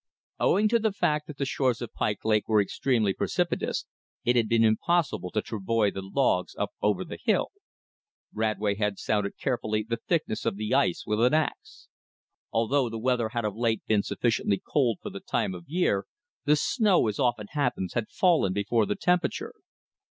Owing to the fact that the shores of Pike Lake were extremely precipitous, it had been impossible to travoy the logs up over the hill. Radway had sounded carefully the thickness of the ice with an ax. Although the weather had of late been sufficiently cold for the time of year, the snow, as often happens, had fallen before the temperature.